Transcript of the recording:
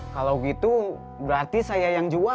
kalau gitu berarti saya yang jual